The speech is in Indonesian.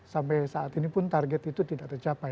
sampai saat ini pun target itu tidak tercapai